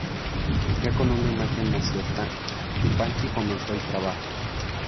Ya con una imagen más cierta, Yupanqui comenzó el trabajo.